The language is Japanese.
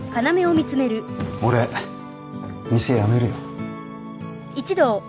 俺店辞めるよ。